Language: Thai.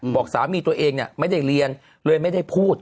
บอกสามีตัวเองไม่ได้เรียนเลยไม่ได้พูด